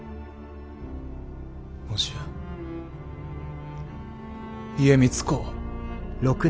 もしや家光公は。